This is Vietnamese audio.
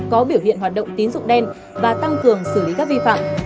có biểu hiện hoạt động tín dụng đen và tăng cường xử lý các vi phạm